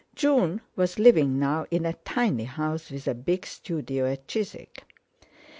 June was living now in a tiny house with a big studio at Chiswick.